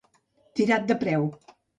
Tirat de preu.